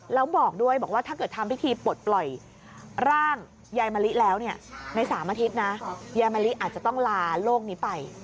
แล้วบอกด้วยบอกว่าถ้าเกิดทำพิธีปลดปล่อยร่างยายมะลิแล้วเนี่ยใน๓อาทิตย์นะยายมะลิอาจจะต้องลาโลกนี้ไป